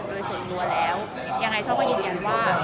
โดยส่วนตัวแล้วยังไงช่อก็ยืนยันว่า